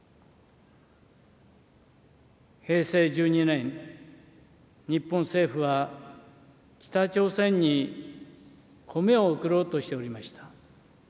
平成１２年、日本政府は北朝鮮にコメを送ろうとしておりました。